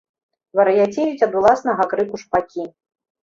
Вар'яцеюць ад уласнага крыку шпакі.